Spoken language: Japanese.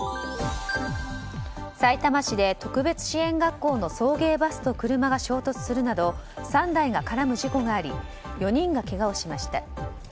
さいたま市で特別支援学校の送迎バスと車が衝突するなど３台が絡む事故があり４人がけがをしました。